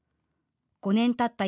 ５年たった